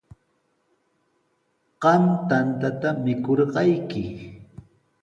Qam tantata mikurqayki.